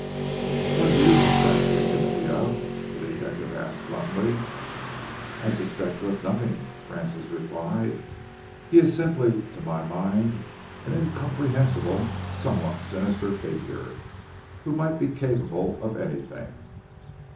"What do you suspect Sir Timothy of?" the detective asked bluntly. "I suspect him of nothing," Francis replied. "He is simply, to my mind, an incomprehensible, somewhat sinister figure, who might be capable of anything.